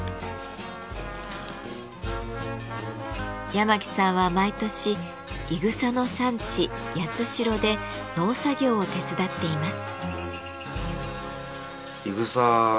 八巻さんは毎年いぐさの産地・八代で農作業を手伝っています。